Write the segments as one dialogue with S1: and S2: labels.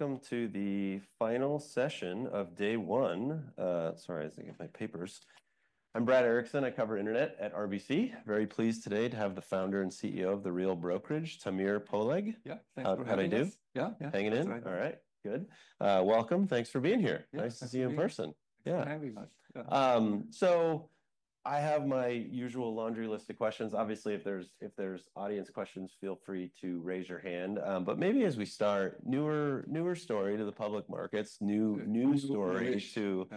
S1: Welcome to the final session of day one. Sorry, I think I have my papers. I'm Brad Erickson. I cover internet at RBC. Very pleased today to have the Founder and CEO of The Real Brokerage, Tamir Poleg.
S2: Yeah, thanks for having me.
S1: How'd I do?
S2: Yeah, yeah.
S1: Hanging in?
S2: That's right.
S1: All right, good. Welcome. Thanks for being here.
S2: Yeah.
S1: Nice to see you in person.
S2: Thank you very much.
S1: So I have my usual laundry list of questions. Obviously, if there's audience questions, feel free to raise your hand, but maybe as we start, newer story to the public markets, new stories to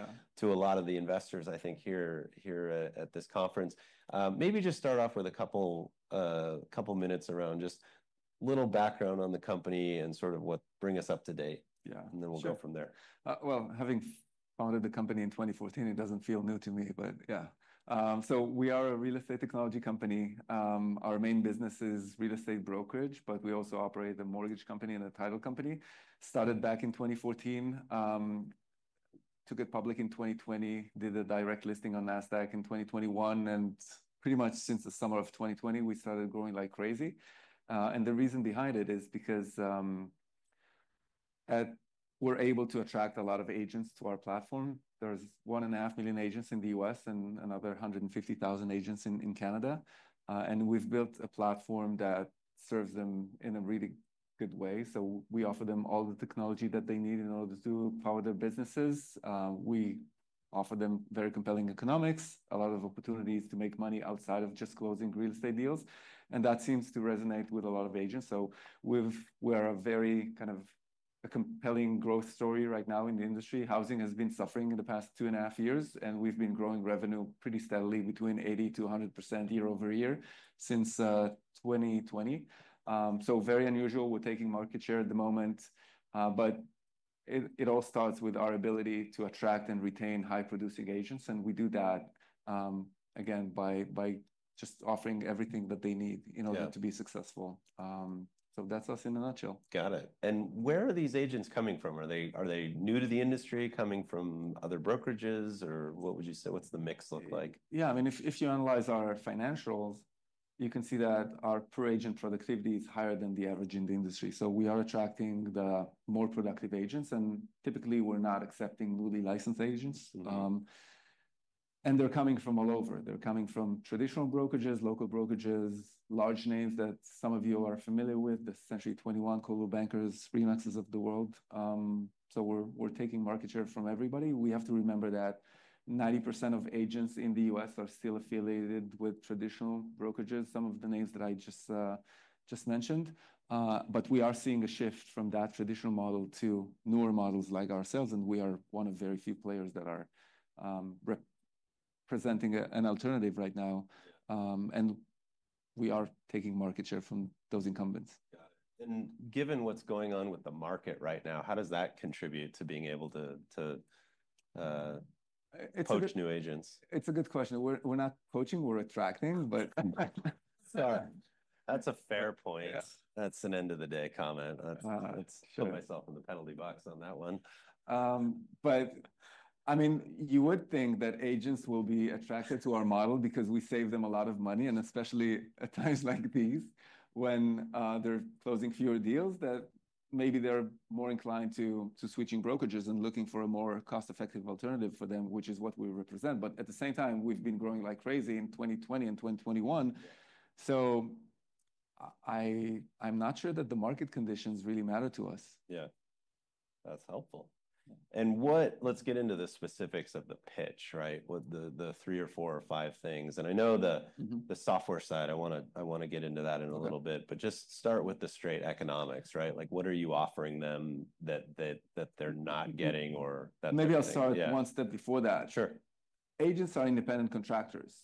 S1: a lot of the investors, I think, here at this conference. Maybe just start off with a couple minutes around just little background on the company and sort of what bring us up to date.
S2: Yeah.
S1: And then we'll go from there.
S2: Sure, well, having founded the company in 2014, it doesn't feel new to me, but yeah, so we are a real estate technology company. Our main business is real estate brokerage, but we also operate a mortgage company and a title company. Started back in 2014, took it public in 2020, did a direct listing on Nasdaq in 2021, and pretty much since the summer of 2020, we started growing like crazy, and the reason behind it is because that we're able to attract a lot of agents to our platform. There's 1.5 million agents in the U.S. and another 150,000 agents in Canada, and we've built a platform that serves them in a really good way, so we offer them all the technology that they need in order to power their businesses. We offer them very compelling economics, a lot of opportunities to make money outside of just closing real estate deals. And that seems to resonate with a lot of agents. So we've, we're a very kind of a compelling growth story right now in the industry. Housing has been suffering in the past two and a half years, and we've been growing revenue pretty steadily between 80%-100% year-over-year since 2020, so very unusual. We're taking market share at the moment, but it all starts with our ability to attract and retain high producing agents. And we do that again by just offering everything that they need in order to be successful, so that's us in a nutshell.
S1: Got it. And where are these agents coming from? Are they, are they new to the industry, coming from other brokerages, or what would you say? What's the mix look like?
S2: Yeah, I mean, if you analyze our financials, you can see that our per agent productivity is higher than the average in the industry. So we are attracting the more productive agents. And typically we're not accepting newly licensed agents, and they're coming from all over. They're coming from traditional brokerages, local brokerages, large names that some of you are familiar with, Century 21, Coldwell Banker, RE/MAX of the world, so we're taking market share from everybody. We have to remember that 90% of agents in the U.S. are still affiliated with traditional brokerages, some of the names that I just mentioned, but we are seeing a shift from that traditional model to newer models like ourselves. And we are one of very few players that are representing an alternative right now, and we are taking market share from those incumbents.
S1: Got it. And given what's going on with the market right now, how does that contribute to being able to coach new agents?
S2: It's a good question. We're, we're not coaching, we're attracting, but.
S1: Sorry. That's a fair point.
S2: Yeah.
S1: That's an end-of-the-day comment. That shows myself in the penalty box on that one.
S2: But I mean, you would think that agents will be attracted to our model because we save them a lot of money, and especially at times like these when they're closing fewer deals, that maybe they're more inclined to switching brokerages and looking for a more cost-effective alternative for them, which is what we represent, but at the same time, we've been growing like crazy in 2020 and 2021, so I'm not sure that the market conditions really matter to us.
S1: Yeah, that's helpful. And what, let's get into the specifics of the pitch, right? What are the three or four or five things. And I know the software side, I wanna get into that in a little bit, but just start with the straight economics, right? Like what are you offering them that they're not getting or that they're missing?
S2: Maybe I'll start one step before that.
S1: Sure.
S2: Agents are independent contractors,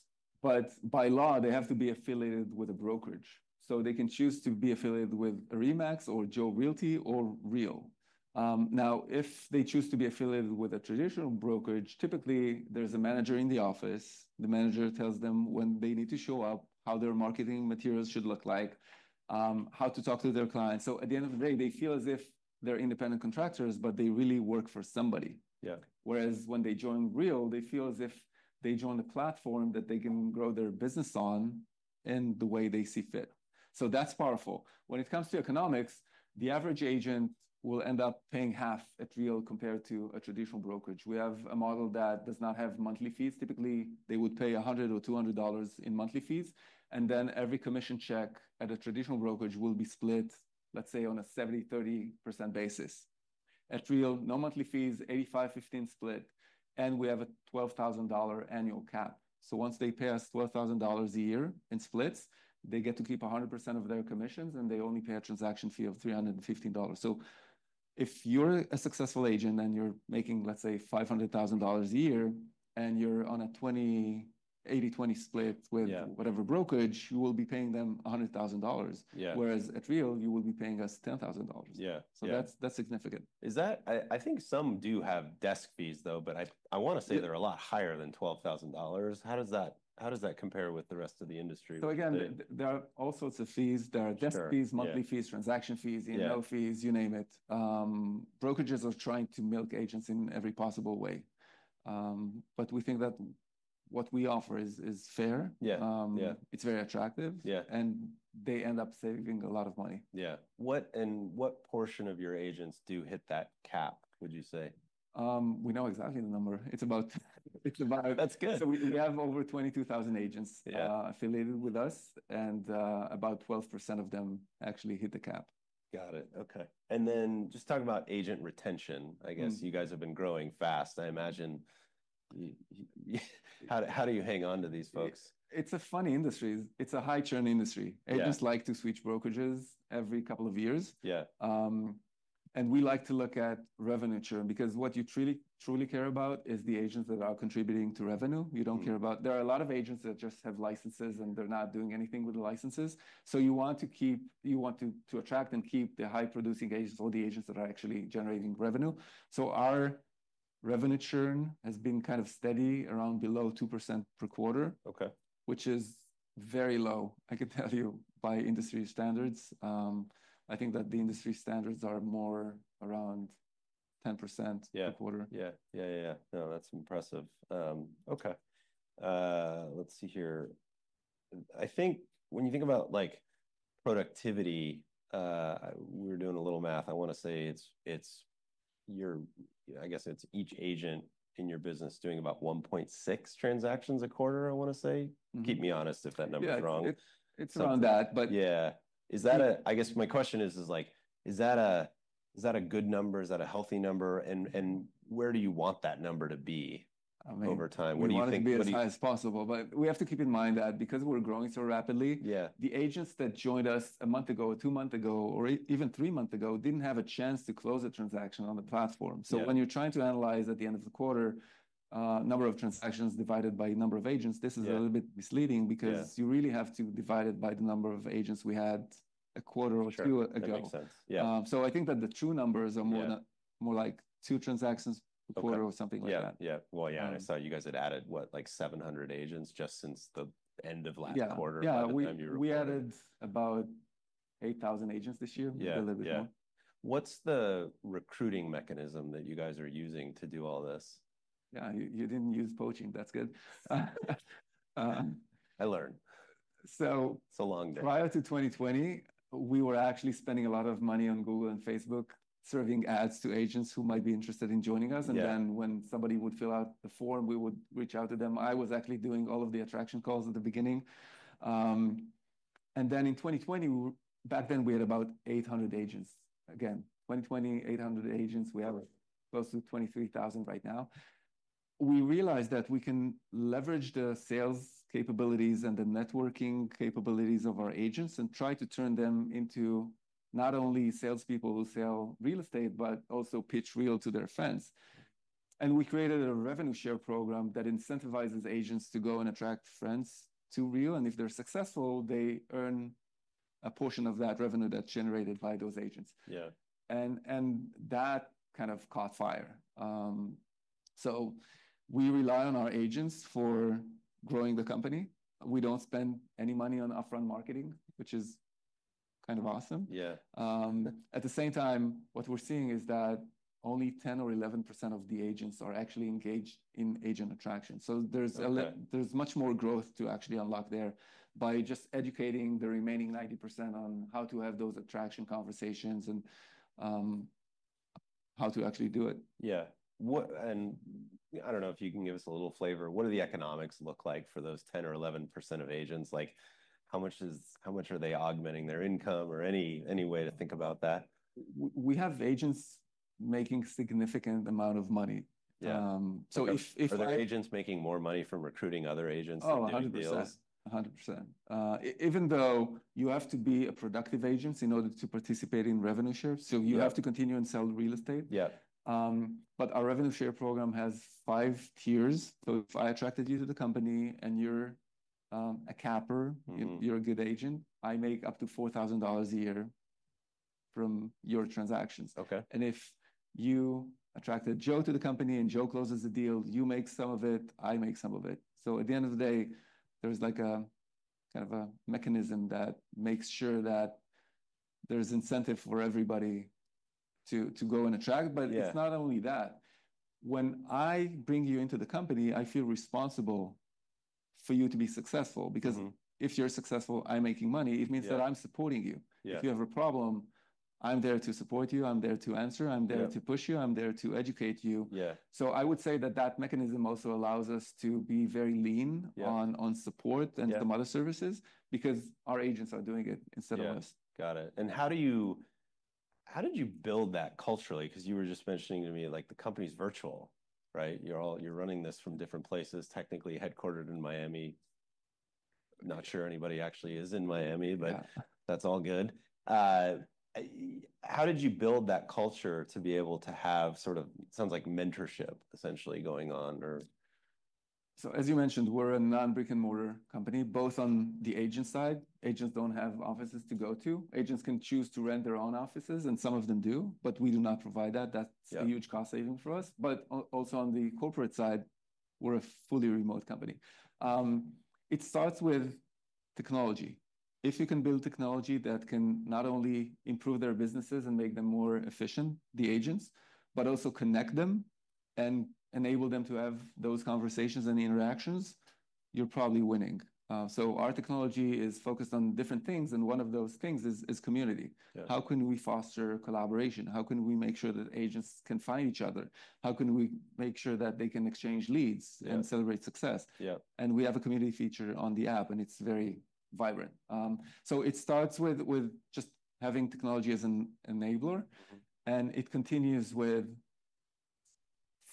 S2: but by law, they have to be affiliated with a brokerage. So they can choose to be affiliated with a RE/MAX or Joe Realty or Real. Now, if they choose to be affiliated with a traditional brokerage, typically there's a manager in the office. The manager tells them when they need to show up, how their marketing materials should look like, how to talk to their clients. So at the end of the day, they feel as if they're independent contractors, but they really work for somebody.
S1: Yeah.
S2: Whereas when they join Real, they feel as if they join a platform that they can grow their business on in the way they see fit. So that's powerful. When it comes to economics, the average agent will end up paying half at Real compared to a traditional brokerage. We have a model that does not have monthly fees. Typically, they would pay $100 or $200 in monthly fees. And then every commission check at a traditional brokerage will be split, let's say, on a 70%, 30% basis. At Real, no monthly fees, 85, 15 split. And we have a $12,000 annual cap. So once they pay us $12,000 a year in splits, they get to keep 100% of their commissions, and they only pay a transaction fee of $315. If you're a successful agent and you're making, let's say, $500,000 a year and you're on a 20, 80, 20 split with whatever brokerage, you will be paying them $100,000.
S1: Yeah.
S2: Whereas at Real, you will be paying us $10,000.
S1: Yeah.
S2: So that's significant.
S1: Is that, I think some do have desk fees though, but I wanna say they're a lot higher than $12,000. How does that compare with the rest of the industry?
S2: Again, there are all sorts of fees. There are desk fees, monthly fees, transaction fees, you know, fees, you name it. Brokerages are trying to milk agents in every possible way. We think that what we offer is fair.
S1: Yeah.
S2: It's very attractive.
S1: Yeah.
S2: They end up saving a lot of money.
S1: Yeah. What portion of your agents do hit that cap, would you say?
S2: We know exactly the number. It's about.
S1: That's good.
S2: We have over 22,000 agents affiliated with us, and about 12% of them actually hit the cap.
S1: Got it. Okay. And then just talking about agent retention, I guess you guys have been growing fast. I imagine how, how do you hang on to these folks?
S2: It's a funny industry. It's a high churn industry.
S1: Yeah.
S2: Agents like to switch brokerages every couple of years.
S1: Yeah.
S2: And we like to look at revenue churn because what you truly, truly care about is the agents that are contributing to revenue. You don't care about, there are a lot of agents that just have licenses and they're not doing anything with the licenses. So you want to keep, you want to, to attract and keep the high producing agents or the agents that are actually generating revenue. So our revenue churn has been kind of steady around below 2% per quarter.
S1: Okay.
S2: Which is very low, I can tell you, by industry standards. I think that the industry standards are more around 10% per quarter.
S1: No, that's impressive. Okay. Let's see here. I think when you think about like productivity, we're doing a little math. I wanna say it's each agent in your business doing about 1.6 transactions a quarter, I wanna say. Keep me honest if that number's wrong.
S2: Yeah. It's, it's around that, but.
S1: Yeah. I guess my question is, is that a good number? Is that a healthy number? And where do you want that number to be over time? What do you think?
S2: We want it to be as high as possible, but we have to keep in mind that because we're growing so rapidly.
S1: Yeah.
S2: The agents that joined us a month ago, two months ago, or even three months ago didn't have a chance to close a transaction on the platform.
S1: Yeah.
S2: So when you're trying to analyze at the end of the quarter, number of transactions divided by number of agents, this is a little bit misleading because you really have to divide it by the number of agents we had a quarter or two ago.
S1: Sure. That makes sense. Yeah.
S2: So I think that the true numbers are more than, more like two transactions per quarter or something like that.
S1: Yeah. Yeah. Well, yeah, and I saw you guys had added what, like 700 agents just since the end of last quarter.
S2: Yeah. We added about 8,000 agents this year.
S1: Yeah.
S2: A little bit more.
S1: Yeah. What's the recruiting mechanism that you guys are using to do all this?
S2: Yeah. You didn't use poaching. That's good.
S1: I learned.
S2: So.
S1: It's a long day.
S2: Prior to 2020, we were actually spending a lot of money on Google and Facebook serving ads to agents who might be interested in joining us.
S1: Yeah.
S2: And then when somebody would fill out the form, we would reach out to them. I was actually doing all of the attraction calls at the beginning. And then in 2020, back then we had about 800 agents. Again, 2020, 800 agents. We have close to 23,000 right now. We realized that we can leverage the sales capabilities and the networking capabilities of our agents and try to turn them into not only salespeople who sell real estate, but also pitch Real to their friends. And we created a revenue share program that incentivizes agents to go and attract friends to Real. And if they're successful, they earn a portion of that revenue that's generated by those agents.
S1: Yeah.
S2: And that kind of caught fire. So we rely on our agents for growing the company. We don't spend any money on upfront marketing, which is kind of awesome.
S1: Yeah.
S2: At the same time, what we're seeing is that only 10% or 11% of the agents are actually engaged in agent attraction. So there's a lot, there's much more growth to actually unlock there by just educating the remaining 90% on how to have those attraction conversations and how to actually do it.
S1: Yeah. What, and I don't know if you can give us a little flavor. What do the economics look like for those 10% or 11% of agents? Like how much is, how much are they augmenting their income or any way to think about that?
S2: We have agents making a significant amount of money.
S1: Yeah.
S2: So if.
S1: Are there agents making more money from recruiting other agents into these deals?
S2: Oh, 100%. 100%. Even though you have to be a productive agent in order to participate in revenue share. So you have to continue and sell real estate.
S1: Yeah.
S2: But our revenue share program has five tiers. So if I attracted you to the company and you're, a capper, you're a good agent, I make up to $4,000 a year from your transactions.
S1: Okay.
S2: And if you attracted Joe to the company and Joe closes the deal, you make some of it, I make some of it. So at the end of the day, there's like a kind of a mechanism that makes sure that there's incentive for everybody to go and attract. But it's not only that. When I bring you into the company, I feel responsible for you to be successful because if you're successful, I'm making money. It means that I'm supporting you.
S1: Yeah.
S2: If you have a problem, I'm there to support you. I'm there to answer. I'm there to push you. I'm there to educate you.
S1: Yeah.
S2: I would say that that mechanism also allows us to be very lean on support and some other services because our agents are doing it instead of us.
S1: Yeah. Got it. And how do you, how did you build that culturally? 'Cause you were just mentioning to me like the company's virtual, right? You're all, you're running this from different places, technically headquartered in Miami. Not sure anybody actually is in Miami, but that's all good. How did you build that culture to be able to have sort of, it sounds like mentorship essentially going on or?
S2: So as you mentioned, we're a non-brick-and-mortar company both on the agent side. Agents don't have offices to go to. Agents can choose to rent their own offices and some of them do, but we do not provide that. That's a huge cost saving for us. But also on the corporate side, we're a fully remote company. It starts with technology. If you can build technology that can not only improve their businesses and make them more efficient, the agents, but also connect them and enable them to have those conversations and interactions, you're probably winning. Our technology is focused on different things. And one of those things is community.
S1: Yeah.
S2: How can we foster collaboration? How can we make sure that agents can find each other? How can we make sure that they can exchange leads and celebrate success?
S1: Yeah.
S2: And we have a community feature on the app, and it's very vibrant. So it starts with just having technology as an enabler. And it continues with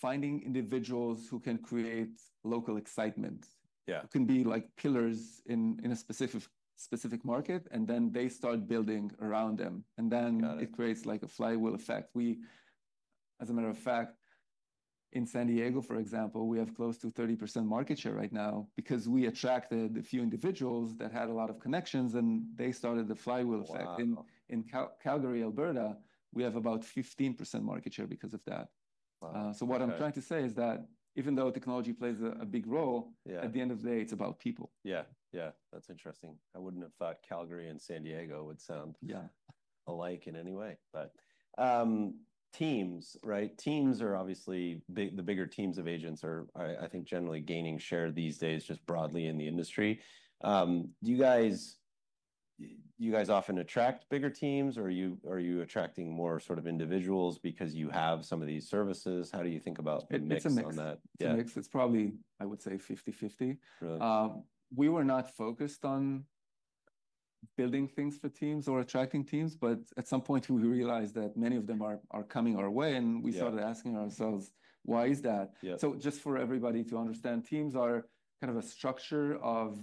S2: finding individuals who can create local excitement.
S1: Yeah.
S2: Who can be like pillars in a specific market, and then they start building around them, and then it creates like a flywheel effect. We, as a matter of fact, in San Diego, for example, have close to 30% market share right now because we attracted a few individuals that had a lot of connections, and they started the flywheel effect.
S1: Wow.
S2: In Calgary, Alberta, we have about 15% market share because of that.
S1: Wow.
S2: So what I'm trying to say is that even though technology plays a big role.
S1: Yeah.
S2: At the end of the day, it's about people.
S1: Yeah. Yeah. That's interesting. I wouldn't have thought Calgary and San Diego would sound.
S2: Yeah.
S1: Alike in any way, but, teams, right? Teams are obviously big, the bigger teams of agents are, I think generally gaining share these days just broadly in the industry. Do you guys often attract bigger teams or are you attracting more sort of individuals because you have some of these services? How do you think about mix on that?
S2: It's a mix. It's a mix. It's probably, I would say 50/50.
S1: Really?
S2: We were not focused on building things for teams or attracting teams, but at some point we realized that many of them are coming our way. And we started asking ourselves, why is that?
S1: Yeah.
S2: So just for everybody to understand, teams are kind of a structure of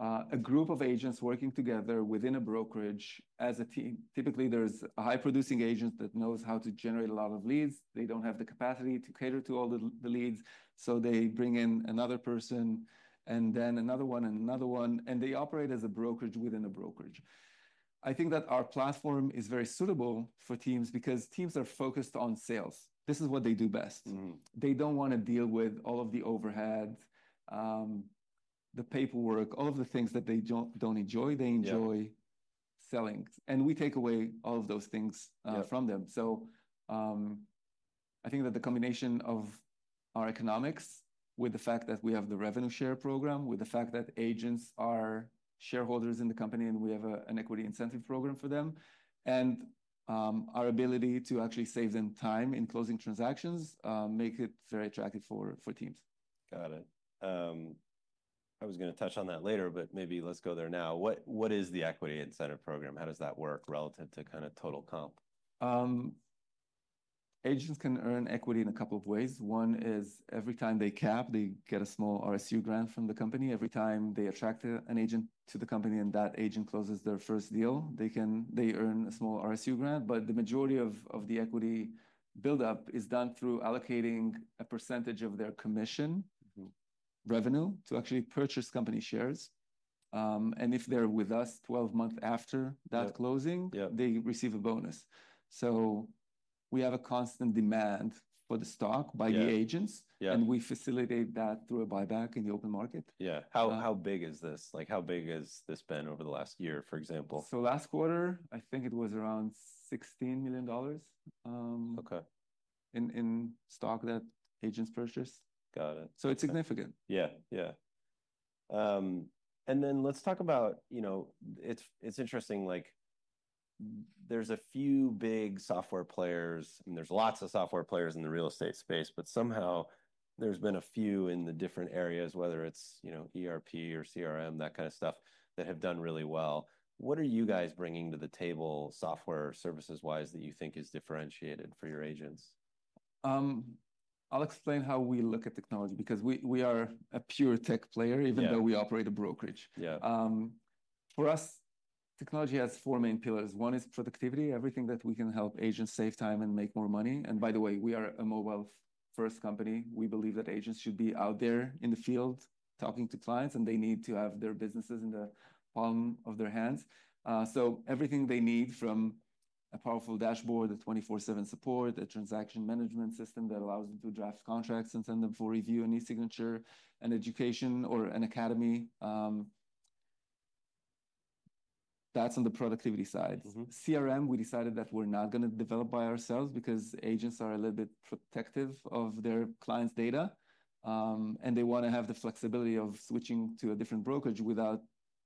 S2: a group of agents working together within a brokerage as a team. Typically, there's a high producing agent that knows how to generate a lot of leads. They don't have the capacity to cater to all the leads. So they bring in another person and then another one and another one, and they operate as a brokerage within a brokerage. I think that our platform is very suitable for teams because teams are focused on sales. This is what they do best. They don't wanna deal with all of the overhead, the paperwork, all of the things that they don't enjoy. They enjoy selling. And we take away all of those things from them. So, I think that the combination of our economics with the fact that we have the revenue share program, with the fact that agents are shareholders in the company and we have an equity incentive program for them, and our ability to actually save them time in closing transactions make it very attractive for teams.
S1: Got it. I was gonna touch on that later, but maybe let's go there now. What, what is the equity incentive program? How does that work relative to kind of total comp?
S2: Agents can earn equity in a couple of ways. One is every time they cap, they get a small RSU grant from the company. Every time they attract an agent to the company and that agent closes their first deal, they earn a small RSU grant. But the majority of the equity buildup is done through allocating a percentage of their commission revenue to actually purchase company shares, and if they're with us 12 months after that closing.
S1: Yeah.
S2: They receive a bonus. So we have a constant demand for the stock by the agents.
S1: Yeah.
S2: We facilitate that through a buyback in the open market.
S1: Yeah. How big is this? Like, how big has this been over the last year, for example?
S2: Last quarter, I think it was around $16 million.
S1: Okay.
S2: In stock that agents purchased.
S1: Got it.
S2: It's significant.
S1: Yeah. Yeah. And then let's talk about, you know, it's interesting, like there's a few big software players and there's lots of software players in the real estate space, but somehow there's been a few in the different areas, whether it's, you know, ERP or CRM, that kind of stuff that have done really well. What are you guys bringing to the table software services wise that you think is differentiated for your agents?
S2: I'll explain how we look at technology because we are a pure tech player, even though we operate a brokerage.
S1: Yeah.
S2: For us, technology has four main pillars. One is productivity, everything that we can help agents save time and make more money. And by the way, we are a mobile-first company. We believe that agents should be out there in the field talking to clients and they need to have their businesses in the palm of their hands. So everything they need from a powerful dashboard, a 24/7 support, a transaction management system that allows them to draft contracts and send them for review and e-signature and education or an academy. That's on the productivity side.
S1: Mm-hmm.
S2: CRM, we decided that we're not gonna develop by ourselves because agents are a little bit protective of their clients' data, and they wanna have the flexibility of switching to a different brokerage without.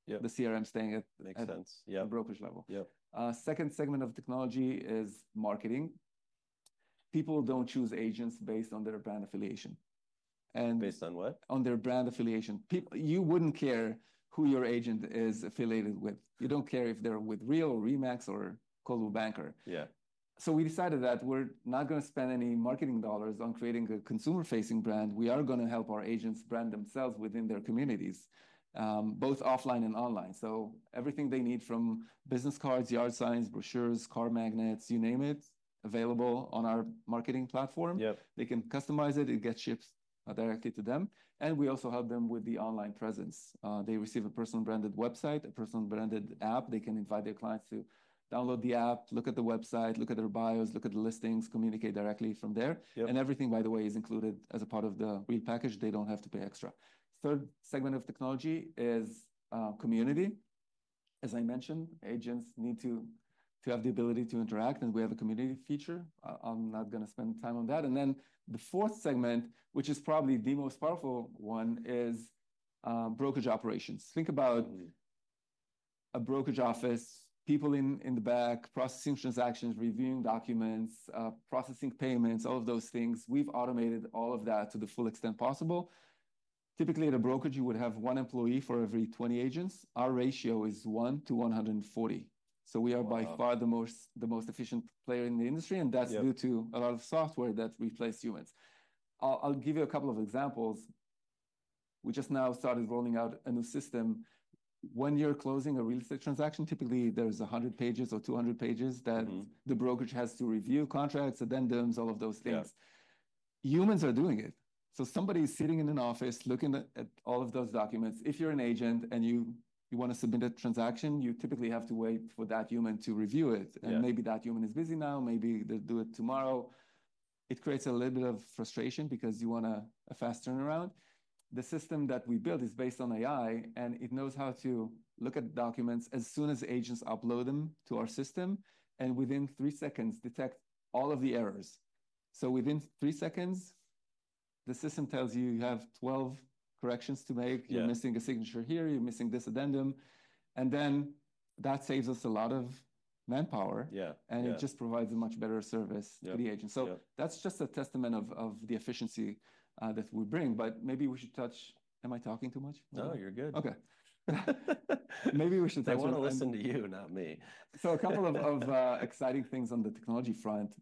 S1: Yeah.
S2: The CRM staying at.
S1: Makes sense. Yeah.
S2: The brokerage level.
S1: Yeah.
S2: Second segment of technology is marketing. People don't choose agents based on their brand affiliation. And.
S1: Based on what?
S2: On their brand affiliation. People, you wouldn't care who your agent is affiliated with. You don't care if they're with Real, RE/MAX, or Coldwell Banker.
S1: Yeah.
S2: So we decided that we're not gonna spend any marketing dollars on creating a consumer-facing brand. We are gonna help our agents brand themselves within their communities, both offline and online. So everything they need from business cards, yard signs, brochures, car magnets, you name it, available on our marketing platform.
S1: Yep.
S2: They can customize it. It gets shipped directly to them. And we also help them with the online presence. They receive a personal branded website, a personal branded app. They can invite their clients to download the app, look at the website, look at their bios, look at the listings, communicate directly from there.
S1: Yep.
S2: And everything, by the way, is included as a part of the Real package. They don't have to pay extra. Third segment of technology is community. As I mentioned, agents need to have the ability to interact. And we have a community feature. I'm not gonna spend time on that. And then the fourth segment, which is probably the most powerful one, is brokerage operations. Think about a brokerage office, people in the back processing transactions, reviewing documents, processing payments, all of those things. We've automated all of that to the full extent possible. Typically, at a brokerage, you would have one employee for every 20 agents. Our ratio is one to 140. So we are by far the most efficient player in the industry. And that's due to a lot of software that replaced humans. I'll give you a couple of examples. We just now started rolling out a new system. When you're closing a real estate transaction, typically there's a hundred pages or 200 pages that the brokerage has to review, contracts, addendums, all of those things.
S1: Yeah.
S2: Humans are doing it. So somebody's sitting in an office looking at all of those documents. If you're an agent and you wanna submit a transaction, you typically have to wait for that human to review it.
S1: Yeah.
S2: Maybe that human is busy now. Maybe they'll do it tomorrow. It creates a little bit of frustration because you want a fast turnaround. The system that we built is based on AI and it knows how to look at documents as soon as agents upload them to our system and within three seconds detect all of the errors. So within three seconds, the system tells you you have 12 corrections to make.
S1: Yeah.
S2: You're missing a signature here. You're missing this addendum. And then that saves us a lot of manpower.
S1: Yeah.
S2: It just provides a much better service.
S1: Yeah.
S2: To the agent. So that's just a testament of the efficiency that we bring. But maybe we should touch. Am I talking too much?
S1: No, you're good.
S2: Okay. Maybe we should touch on that.
S1: I wanna listen to you, not me.
S2: So a couple of exciting things on the technology front.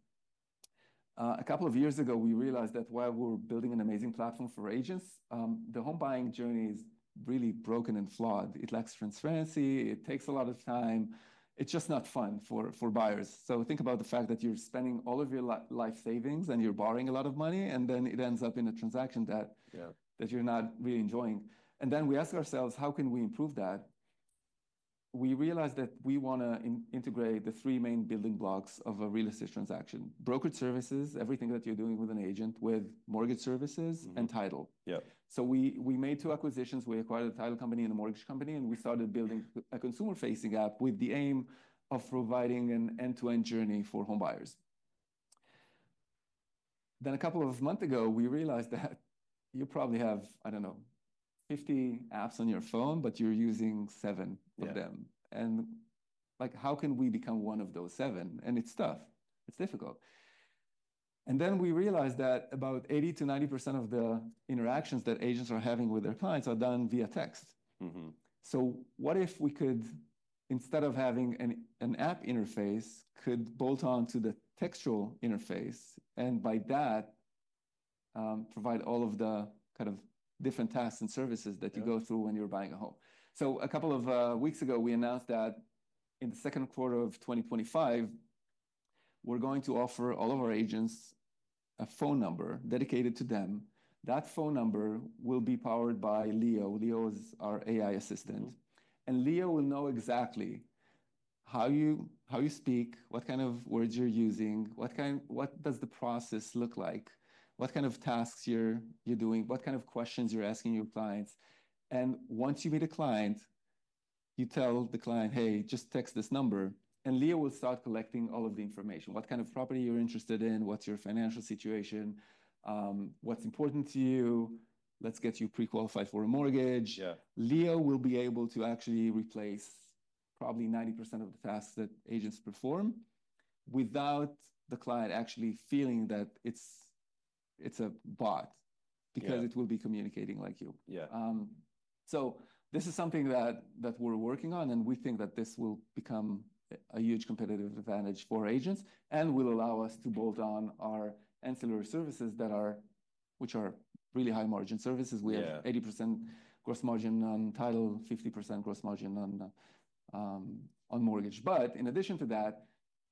S2: A couple of years ago, we realized that while we were building an amazing platform for agents, the home buying journey is really broken and flawed. It lacks transparency. It takes a lot of time. It's just not fun for buyers. So think about the fact that you're spending all of your life savings and you're borrowing a lot of money, and then it ends up in a transaction that.
S1: Yeah.
S2: That you're not really enjoying. And then we ask ourselves, how can we improve that? We realized that we wanna integrate the three main building blocks of a real estate transaction: brokerage services, everything that you're doing with an agent, with mortgage services.
S1: Mm-hmm.
S2: And title.
S1: Yeah.
S2: So we made two acquisitions. We acquired a title company and a mortgage company, and we started building a consumer-facing app with the aim of providing an end-to-end journey for home buyers. Then a couple of months ago, we realized that you probably have, I don't know, 50 apps on your phone, but you're using seven of them.
S1: Yeah.
S2: And like, how can we become one of those seven? And it's tough. It's difficult. And then we realized that about 80%-90% of the interactions that agents are having with their clients are done via text.
S1: Mm-hmm.
S2: So what if we could, instead of having an app interface, could bolt onto the textual interface and by that, provide all of the kind of different tasks and services that you go through when you're buying a home? So a couple of weeks ago, we announced that in the second quarter of 2025, we're going to offer all of our agents a phone number dedicated to them. That phone number will be powered by Leo. Leo is our AI assistant.
S1: Mm-hmm.
S2: Leo will know exactly how you speak, what kind of words you're using, what does the process look like, what kind of tasks you're doing, what kind of questions you're asking your clients. Once you meet a client, you tell the client, "Hey, just text this number," and Leo will start collecting all of the information: what kind of property you're interested in, what's your financial situation, what's important to you, let's get you pre-qualified for a mortgage.
S1: Yeah.
S2: Leo will be able to actually replace probably 90% of the tasks that agents perform without the client actually feeling that it's a bot.
S1: Yeah.
S2: Because it will be communicating like you.
S1: Yeah.
S2: So this is something that we're working on, and we think that this will become a huge competitive advantage for agents and will allow us to bolt on our ancillary services that are, which are really high margin services.
S1: Yeah.
S2: We have 80% gross margin on title, 50% gross margin on mortgage. But in addition to that,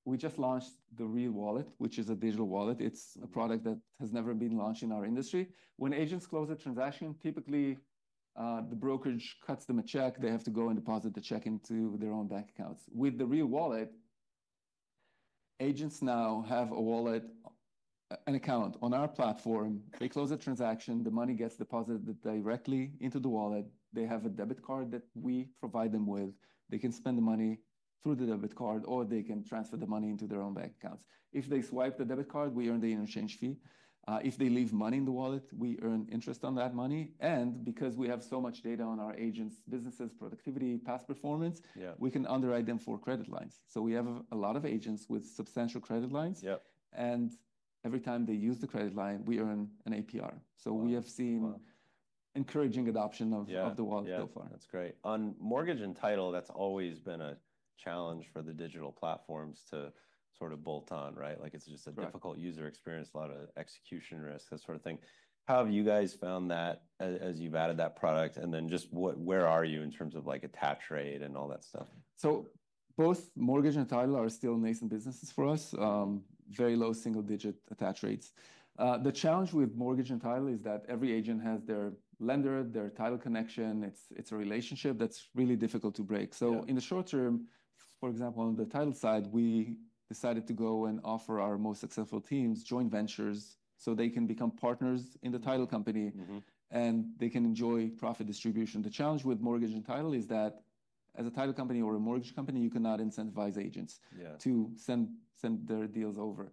S2: we just launched the Real Wallet, which is a digital wallet. It's a product that has never been launched in our industry. When agents close a transaction, typically, the brokerage cuts them a check. They have to go and deposit the check into their own bank accounts. With the Real Wallet, agents now have a wallet, an account on our platform. They close a transaction, the money gets deposited directly into the wallet. They have a debit card that we provide them with. They can spend the money through the debit card or they can transfer the money into their own bank accounts. If they swipe the debit card, we earn the interchange fee. If they leave money in the wallet, we earn interest on that money. Because we have so much data on our agents' businesses, productivity, past performance.
S1: Yeah.
S2: We can underwrite them for credit lines. So we have a lot of agents with substantial credit lines.
S1: Yep.
S2: Every time they use the credit line, we earn an APR.
S1: Wow.
S2: We have seen encouraging adoption of.
S1: Yeah.
S2: Of the wallet so far.
S1: Yeah. That's great. On mortgage and title, that's always been a challenge for the digital platforms to sort of bolt on, right? Like it's just a difficult user experience, a lot of execution risk, that sort of thing. How have you guys found that as you've added that product? And then just what, where are you in terms of like attach rate and all that stuff?
S2: So both mortgage and title are still nascent businesses for us, very low single-digit attach rates. The challenge with mortgage and title is that every agent has their lender, their title connection. It's a relationship that's really difficult to break.
S1: Yeah.
S2: So in the short term, for example, on the title side, we decided to go and offer our most successful teams joint ventures so they can become partners in the title company.
S1: Mm-hmm.
S2: They can enjoy profit distribution. The challenge with mortgage and title is that as a title company or a mortgage company, you cannot incentivize agents.
S1: Yeah.
S2: To send their deals over,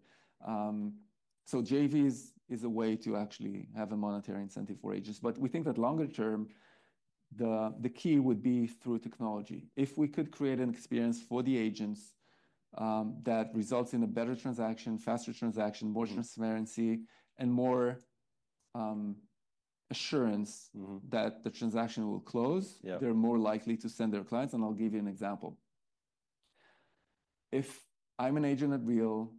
S2: so JVs is a way to actually have a monetary incentive for agents. But we think that longer term, the key would be through technology. If we could create an experience for the agents that results in a better transaction, faster transaction, more transparency, and more assurance.
S1: Mm-hmm.
S2: That the transaction will close.
S1: Yeah.
S2: They're more likely to send their clients, and I'll give you an example. If I'm an agent at Real,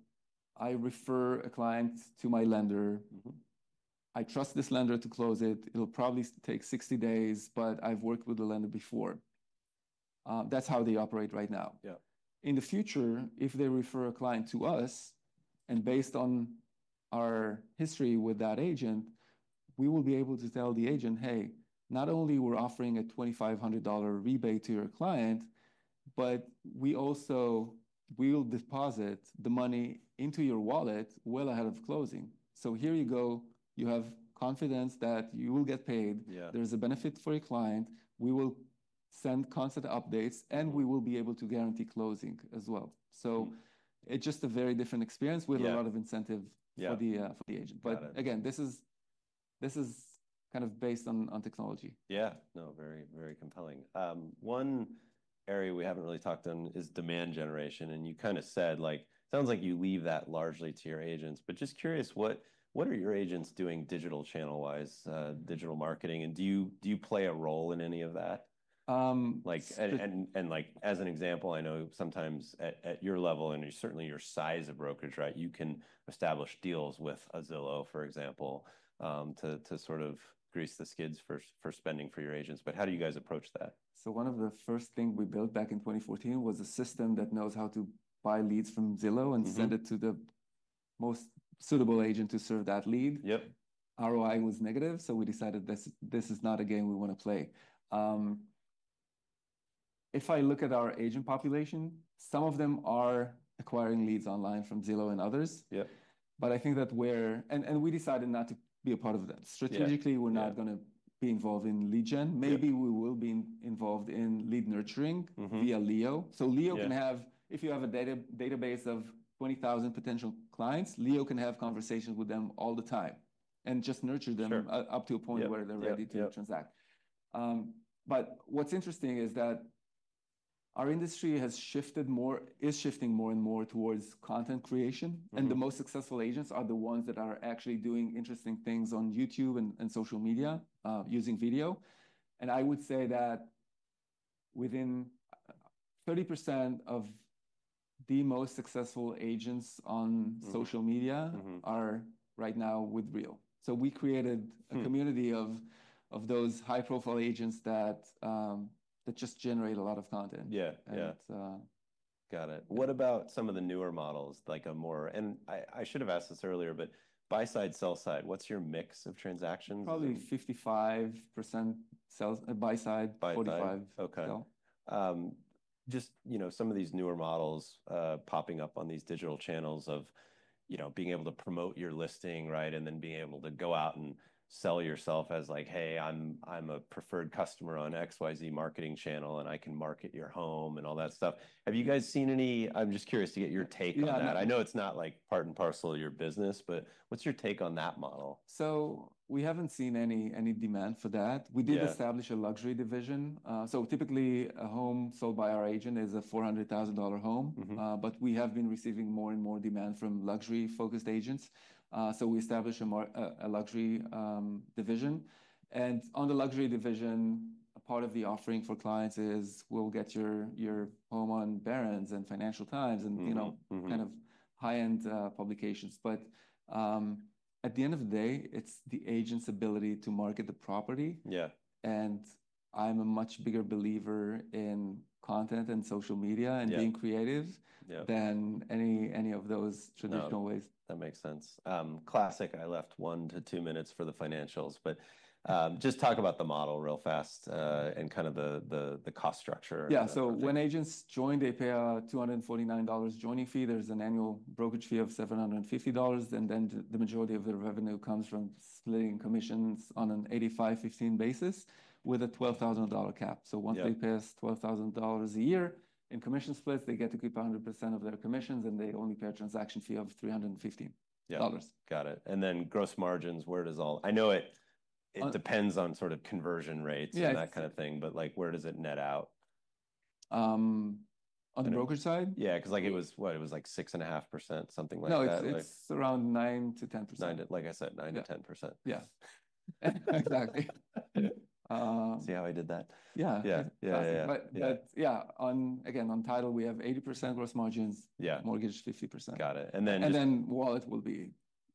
S2: I refer a client to my lender.
S1: Mm-hmm.
S2: I trust this lender to close it. It'll probably take 60 days, but I've worked with the lender before. That's how they operate right now.
S1: Yeah.
S2: In the future, if they refer a client to us and based on our history with that agent, we will be able to tell the agent, "Hey, not only are we offering a $2,500 rebate to your client, but we also, we will deposit the money into your wallet well ahead of closing. So here you go. You have confidence that you will get paid.
S1: Yeah.
S2: There's a benefit for your client. We will send constant updates and we will be able to guarantee closing as well." So it's just a very different experience with a lot of incentive.
S1: Yeah.
S2: For the agent. But again, this is kind of based on technology.
S1: Yeah. No, very, very compelling. One area we haven't really talked on is demand generation. And you kind of said, like, it sounds like you leave that largely to your agents, but just curious, what, what are your agents doing digital channel-wise, digital marketing? And do you, do you play a role in any of that?
S2: just.
S1: Like, as an example, I know sometimes at your level and certainly your size of brokerage, right, you can establish deals with a Zillow, for example, to sort of grease the skids for spending for your agents. But how do you guys approach that?
S2: So one of the first things we built back in 2014 was a system that knows how to buy leads from Zillow.
S1: Mm-hmm.
S2: Send it to the most suitable agent to serve that lead.
S1: Yep.
S2: ROI was negative. So we decided this, this is not a game we wanna play. If I look at our agent population, some of them are acquiring leads online from Zillow and others.
S1: Yep.
S2: But I think that we're, and we decided not to be a part of that.
S1: Yeah.
S2: Strategically, we're not gonna be involved in lead gen.
S1: Mm-hmm.
S2: Maybe we will be involved in lead nurturing.
S1: Mm-hmm.
S2: Via Leo. So, if you have a database of 20,000 potential clients, Leo can have conversations with them all the time and just nurture them.
S1: Sure.
S2: up to a point where they're ready to transact.
S1: Yeah.
S2: But what's interesting is that our industry has shifted more, is shifting more and more towards content creation.
S1: Mm-hmm.
S2: The most successful agents are the ones that are actually doing interesting things on YouTube and social media, using video. I would say that within 30% of the most successful agents on social media.
S1: Mm-hmm.
S2: We're right now with Real. We created a community of those high-profile agents that just generate a lot of content.
S1: Yeah.
S2: And,
S1: Got it. What about some of the newer models, like a more, and I should have asked this earlier, but buy side, sell side, what's your mix of transactions?
S2: Probably 55% sell side, buy side, 45%.
S1: Buy side. Okay.
S2: So.
S1: Just, you know, some of these newer models, popping up on these digital channels of, you know, being able to promote your listing, right? And then being able to go out and sell yourself as like, "Hey, I'm a preferred customer on XYZ marketing channel and I can market your home and all that stuff." Have you guys seen any? I'm just curious to get your take on that.
S2: Yeah.
S1: I know it's not like part and parcel of your business, but what's your take on that model?
S2: So we haven't seen any demand for that.
S1: Yeah.
S2: We did establish a luxury division. So typically a home sold by our agent is a $400,000 home.
S1: Mm-hmm.
S2: But we have been receiving more and more demand from luxury-focused agents. So we established a luxury division. And on the luxury division, a part of the offering for clients is, "We'll get your home on Barron's and Financial Times and, you know.
S1: Mm-hmm.
S2: Kind of high-end publications. But at the end of the day, it's the agent's ability to market the property.
S1: Yeah.
S2: I'm a much bigger believer in content and social media.
S1: Yeah.
S2: And being creative.
S1: Yeah.
S2: Than any of those traditional ways.
S1: Yeah. That makes sense. Classic. I left one to two minutes for the financials, but just talk about the model real fast, and kind of the cost structure.
S2: Yeah. So when agents join, they pay a $249 joining fee. There's an annual brokerage fee of $750. And then the majority of their revenue comes from splitting commissions on an 85/15 basis with a $12,000 cap.
S1: Yeah.
S2: So once they pay us $12,000 a year in commission splits, they get to keep 100% of their commissions and they only pay a transaction fee of $350.
S1: Yeah.
S2: Got it.
S1: Then gross margins, where does all, I know it, it depends on sort of conversion rates.
S2: Yes.
S1: That kind of thing, but like where does it net out?
S2: on the brokerage side?
S1: Yeah. 'Cause like it was, what, it was like 6.5%, something like that.
S2: No, it's around 9%-10%.
S1: 9% to, like I said, 9%-10%.
S2: Yeah. Exactly.
S1: See how I did that.
S2: Yeah.
S1: Yeah. Yeah.
S2: Yeah. But yeah, again, on title, we have 80% gross margins.
S1: Yeah.
S2: Mortgage 50%.
S1: Got it and then.
S2: And then Wallet will be.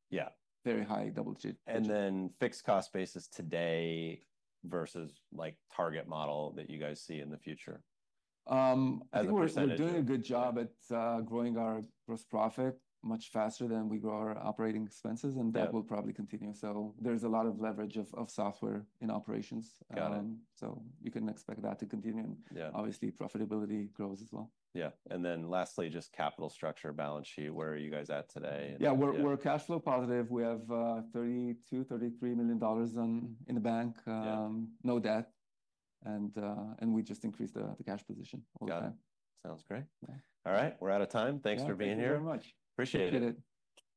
S1: Yeah.
S2: Very high double digits.
S1: And then fixed cost basis today versus like target model that you guys see in the future?
S2: I think we're doing a good job at growing our gross profit much faster than we grow our operating expenses.
S1: Yeah.
S2: That will probably continue. There's a lot of leverage of software in operations.
S1: Got it.
S2: So you can expect that to continue.
S1: Yeah.
S2: Obviously, profitability grows as well.
S1: Yeah. And then lastly, just capital structure, balance sheet, where are you guys at today?
S2: Yeah. We're cash flow positive. We have $32 $33 million on in the bank.
S1: Yeah.
S2: No debt. And we just increased the cash position all the time.
S1: Got it. Sounds great. All right. We're out of time. Thanks for being here.
S2: Thank you very much.
S1: Appreciate it.
S2: Appreciate it.